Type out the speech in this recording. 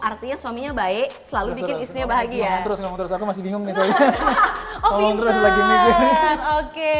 artinya suaminya baik selalu bikin istrinya bahagia terus aku masih bingung oke baik baik